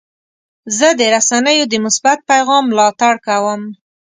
زه د رسنیو د مثبت پیغام ملاتړ کوم.